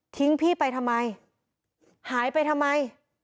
พี่ไปทำไมหายไปทำไม